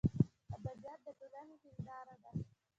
ادبیات دټولني هنداره ده.